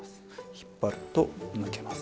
引っ張ると抜けます。